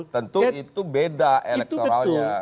tentu itu beda elektoralnya